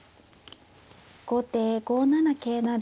後手５七桂成。